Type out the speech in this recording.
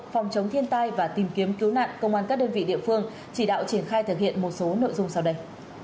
phòng chống thiên tai và tìm kiếm cứu nạn công an các đơn vị địa phương chỉ đạo triển khai thực hiện một số nội dung sau đây